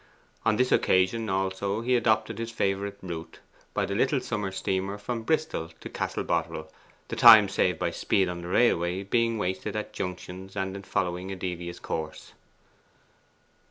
On this occasion also he adopted his favourite route by the little summer steamer from Bristol to Castle Boterel; the time saved by speed on the railway being wasted at junctions, and in following a devious course.